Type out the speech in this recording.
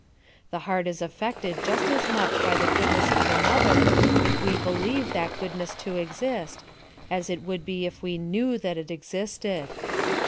The heart is affected just as much by the goodness of another if we believe that gooihiess to exist, as it would be if we kneit) that it existed.